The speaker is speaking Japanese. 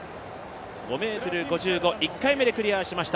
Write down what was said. ５ｍ５５、２回目でクリアしました。